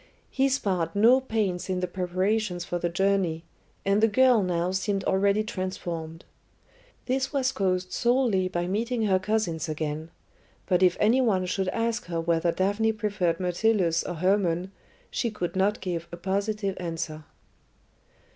He spared no pains in the preparations for the journey, and the girl now seemed already transformed. This was caused solely by meeting her cousins again; but if any one should ask her whether Daphne preferred Myrtilus or Hermon, she could not give a positive answer.